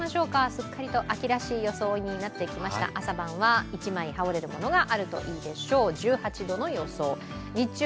すっかりと秋らしい装いになってきました、朝晩は１枚羽織れるものがあるといいでしょう。